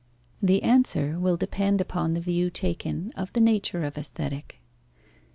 The answer will depend upon the view taken of the nature of Aesthetic.